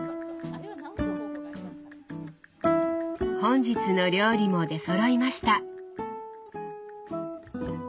本日の料理も出そろいました。